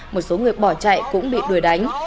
một số người bỏ chạy cũng bị đuổi đánh